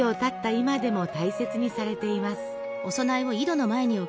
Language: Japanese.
今でも大切にされています。